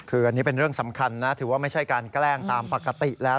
คืออันนี้เป็นเรื่องสำคัญนะถือว่าไม่ใช่การแกล้งตามปกติแล้ว